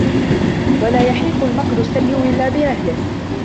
وَلَا يَحِيقُ الْمَكْرُ السَّيِّئِ إلَّا بِأَهْلِهِ